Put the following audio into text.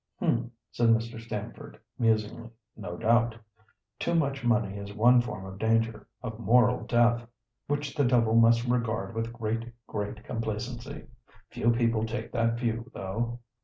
"H'm," said Mr. Stamford, musingly; "no doubt, no doubt! Too much money is one form of danger, of moral death, which the devil must regard with great, great complacency. Few people take that view, though."